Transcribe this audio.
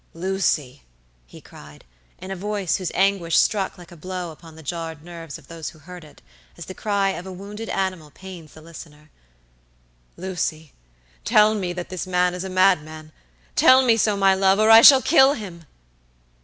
"Lucy!" he cried, in a voice whose anguish struck like a blow upon the jarred nerves of those who heard it, as the cry of a wounded animal pains the listener"Lucy, tell me that this man is a madman! tell me so, my love, or I shall kill him!"